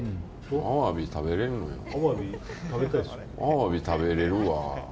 アワビ食べれるやん。